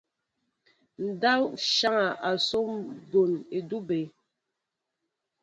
Ndáw e nsháŋa asó mbón edube.